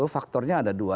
faktornya ada dua